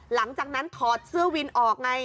หลังจากนั้นถอดเสื้อวินออกไง